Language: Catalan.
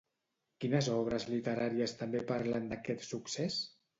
Quines obres literàries també parlen d'aquest succés?